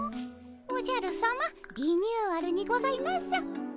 おじゃるさまリニューアルにございます。